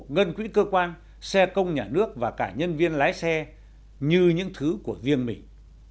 ngân quỹ cơ quan xe công nhà nước và cả nhân viên lái xe như những thứ của riêng mình